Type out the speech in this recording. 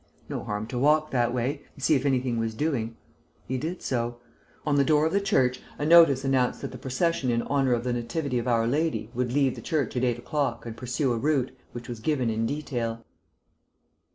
No harm to walk that way, and see if anything was doing. He did so. On the door of the church a notice announced that the procession in honour of the Nativity of Our Lady would leave the church at eight o'clock and pursue a route, which was given in detail.